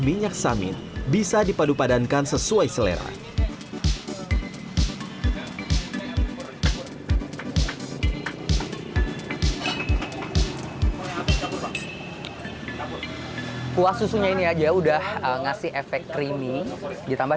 minyak sambin bisa dipadupadankan sesuai selera kuah susunya ini aja udah ngasih efek krimi ditambah